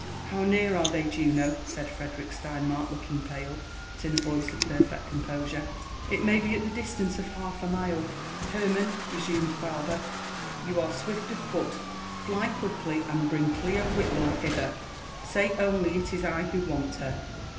M ()qw near" are they, JunoT said Frederick Sleiumark, looking palQ, bql in a voice of perfect composure. *' {t may he at a distance of half a mile." *•* Heruiaon/ resumed the father, ??you are §wifl qf foot,— Hy quickly, and bring Clio Whitlaw hither : say only it is I who want her.